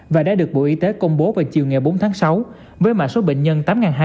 và đã được bộ y tế công bố vào chiều ngày bốn tháng sáu với mạng số bệnh nhân tám hai trăm bốn mươi hai